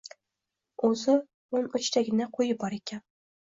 O`zi o`n uchtagina qo`yi bor ekan